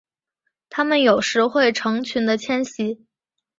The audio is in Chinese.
它们有时会成群的迁徙。